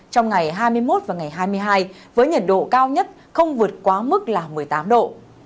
trong ngày hai mươi một và ngày hai mươi hai với nhiệt độ cao nhất không vượt quá mức là một mươi tám độ